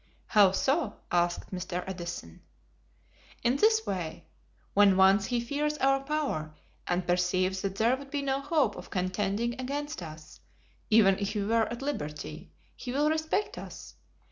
"How so?" asked Mr. Edison. "In this way. When once he fears our power, and perceives that there would be no hope of contending against us, even if he were at liberty, he will respect us.